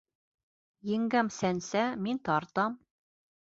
Еңгәм сәнсә, мин тартам